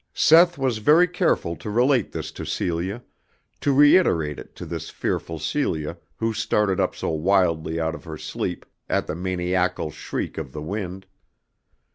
Seth was very careful to relate this to Celia, to reiterate it to this fearful Celia who started up so wildly out of her sleep at the maniacal shriek of the wind.